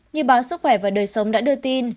như báo sức khỏe và đời sống đã đưa tin